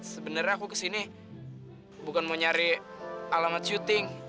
sebenarnya aku kesini bukan mau nyari alamat syuting